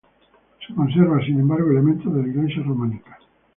Se conservan, sin embargo, elementos de la iglesia románica.